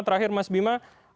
terakhir mas bima